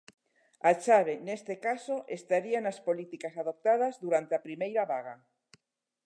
A chave neste caso estaría nas políticas adoptadas durante a primeira vaga.